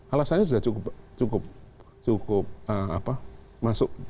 alasannya sudah cukup masuk